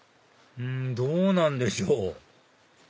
どうなんでしょう？